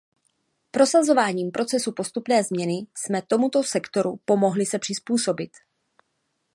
Prosazováním procesu postupné změny jsme tomuto sektoru pomohli se přizpůsobit.